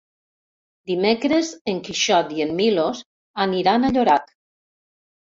Dimecres en Quixot i en Milos aniran a Llorac.